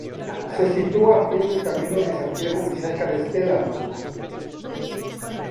Se sitúa a pies del Camino de Santiago y cerca de Estella.